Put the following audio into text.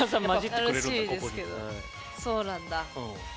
そうなんだ。